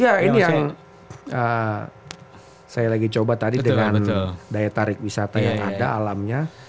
iya ini yang saya lagi coba tadi dengan daya tarik wisata yang ada alamnya